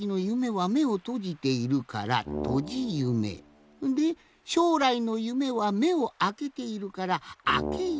はめをとじているからでしょうらいの夢はめをあけているからとか。